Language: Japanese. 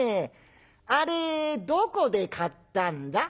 あれどこで買ったんだ？」。